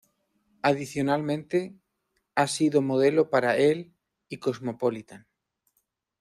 Adicionalmente ha sido modelo para "Elle" y "Cosmopolitan".